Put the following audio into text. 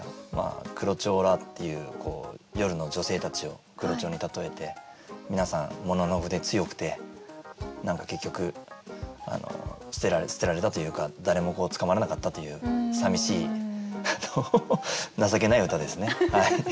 黒蝶らっていう夜の女性たちを黒蝶に例えて皆さんもののふで強くて何か結局捨てられたというか誰も捕まらなかったというさみしい情けない歌ですね。